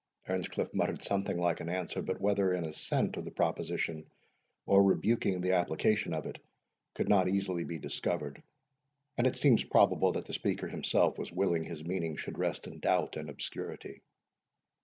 Earnscliff muttered something like an answer; but whether in assent of the proposition, or rebuking the application of it, could not easily be discovered; and it seems probable that the speaker himself was willing his meaning should rest in doubt and obscurity.